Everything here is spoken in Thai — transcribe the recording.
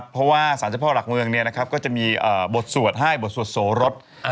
เพราะว่าสารเจ้าพ่อหลักเมืองก็จะมีบทสวดให้บทสวดโสรส